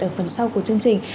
ở phần sau của chương trình